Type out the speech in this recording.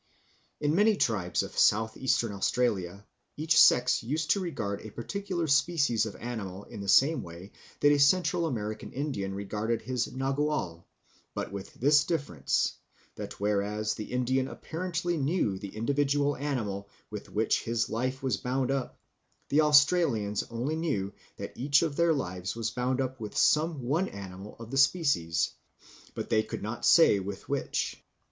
In many tribes of South Eastern Australia each sex used to regard a particular species of animals in the same way that a Central American Indian regarded his nagual, but with this difference, that whereas the Indian apparently knew the individual animal with which his life was bound up, the Australians only knew that each of their lives was bound up with some one animal of the species, but they could not say with which.